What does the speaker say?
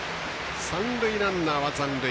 三塁ランナーは残塁。